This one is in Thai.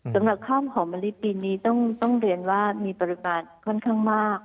สำหรับข้าวหอมมะลิปีนี้ต้องเรียนว่ามีปริมาณค่อนข้างมาก